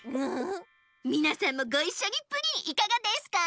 みなさんもごいっしょにプリンいかがですか？